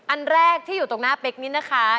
อันแรกที่อยู่ตรงหน้าเป๊กนี้นะคะ